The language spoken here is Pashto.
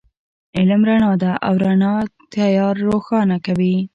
علم رڼا ده، او رڼا تیار روښانه کوي